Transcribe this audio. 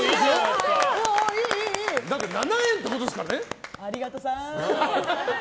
だって７円ってことですからね。